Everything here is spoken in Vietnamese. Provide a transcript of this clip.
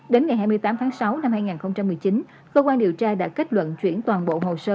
đến ngày hai mươi tám tháng sáu năm hai nghìn một mươi chín cơ quan điều tra đã kết luận chuyển toàn bộ hồ sơ